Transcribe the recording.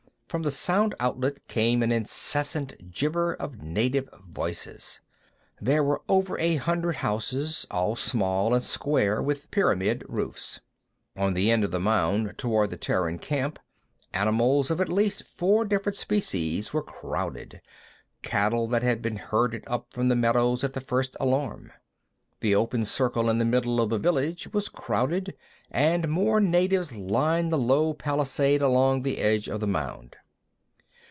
From the sound outlet came an incessant gibber of native voices. There were over a hundred houses, all small and square, with pyramidal roofs. On the end of the mound toward the Terran camp, animals of at least four different species were crowded, cattle that had been herded up from the meadows at the first alarm. The open circle in the middle of the village was crowded, and more natives lined the low palisade along the edge of the mound.